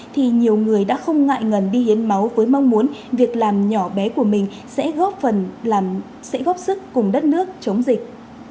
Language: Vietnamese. thì nhiều người đã không ngại ngần đi hiến máu với mong muốn việc làm nhỏ bé của mình sẽ góp sức cùng đất nước chống dịch